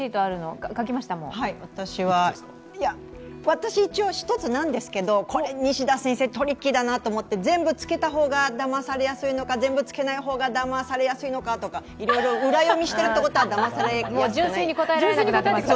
私、一応１つなんですけど、これ、トリッキーだなと思って全部つけたほうがだまされやすいのか、全部つけない方がだまされやすいのか、いろいろ裏読みしているということは、だまされやすくない。